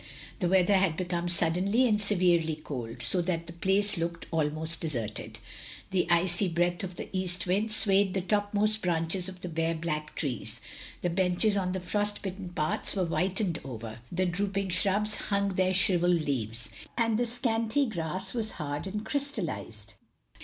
The weather had become suddenly and severely cold, so that the place looked almost deserted. The icy breath of the east wind swayed the topmost branches of the bare black trees; the benches on the frost bitten paths were whitened over; the drooping shrubs hung their shriv elled leaves, and the scanty grass was hard and crystallized.